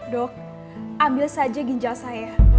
dok ambil saja ginjal saya